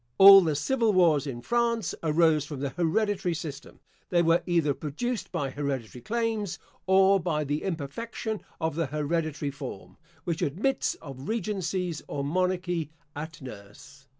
All the civil wars in France arose from the hereditary system; they were either produced by hereditary claims, or by the imperfection of the hereditary form, which admits of regencies or monarchy at nurse.